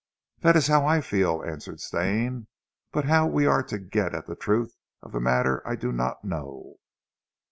"That is how I feel," answered Stane. "But how we are to get at the truth of the matter, I do not know."